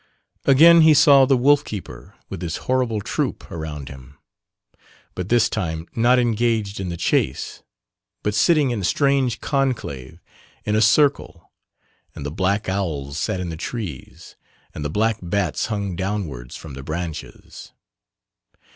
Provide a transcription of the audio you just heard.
Again he saw the wolf keeper with his horrible troupe around him, but this time not engaged in the chase but sitting in strange conclave in a circle and the black owls sat in the trees and the black bats hung downwards from the branches.